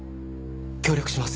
協力します。